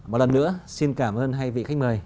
một lần nữa xin cảm ơn hai vị khách mời